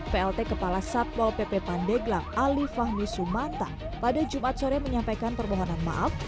plt kepala satpol pp pandeglang ali fahmi sumanta pada jumat sore menyampaikan permohonan maaf